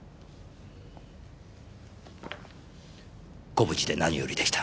ご無事で何よりでした。